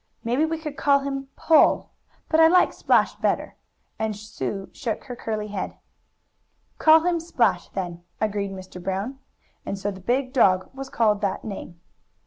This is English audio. Maybe we could call him Pull, but I like Splash better," and Sue shook her curly head. "Call him Splash, then," agreed Mr. Brown, and so the big dog was called that name.